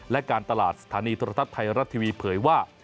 และการตลาดสถานีโทรทัศน์ไทยรัฐทีวีเผยว่า